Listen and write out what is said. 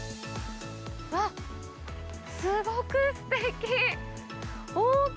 あっ、すごくすてき。